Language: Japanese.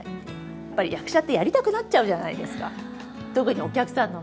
やっぱり役者ってやりたくなっちゃうじゃないですか。